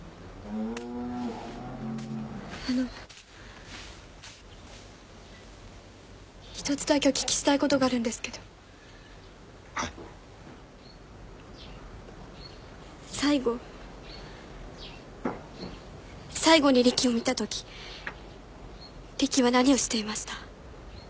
あのひとつだけお聞きしたいことがあるんですけどはい最後最後にリキを見たときリキは何をしていました？